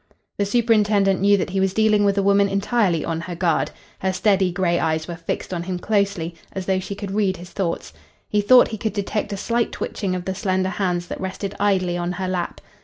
The superintendent knew that he was dealing with a woman entirely on her guard. Her steady grey eyes were fixed on him closely, as though she could read his thoughts. He thought he could detect a slight twitching of the slender hands that rested idly on her lap.